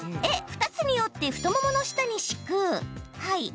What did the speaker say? Ａ・二つに折って太ももの下に敷く。